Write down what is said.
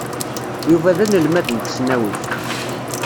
Yuba d anelmad n tesnawit.